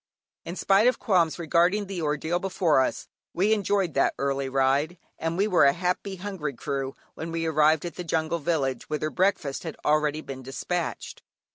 In spite of qualms regarding the ordeal before us, we enjoyed that early ride, and were a very happy, hungry crew when we arrived at the jungle village whither breakfast had already been despatched.